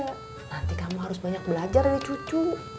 nanti kamu harus banyak belajar dari cucu